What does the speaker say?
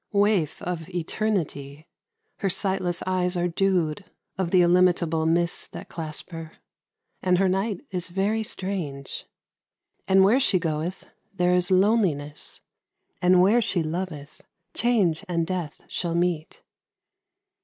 93 MUSIC. Waif of eternity, her sightless eyes Are dewed of the illimitable mists That clasp her. And her night is very strange. And where she goeth, there is Loneliness. And where she loveth, Change and Death shall meet.